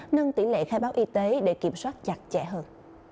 nâng tỷ lệ khai báo y tế để kiểm soát chặt chẽ hơn